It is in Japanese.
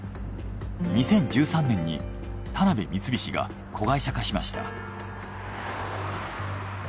２０１３年に田辺三菱が子会社化しました。